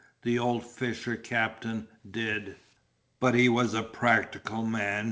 The old fisher captain did. But he was a practical man.